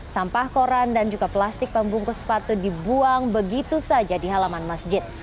sampah koran dan juga plastik pembungkus sepatu dibuang begitu saja di halaman masjid